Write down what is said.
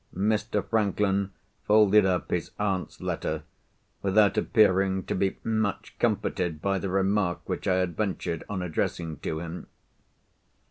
Mr. Franklin folded up his aunt's letter, without appearing to be much comforted by the remark which I had ventured on addressing to him.